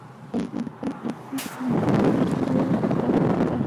এখন মন-প্রাণ ভাসিয়ে বিলেত থেকে আসা দুনিয়ার কথা শুনুন কিন্তু বাংলায়।